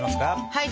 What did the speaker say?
はい。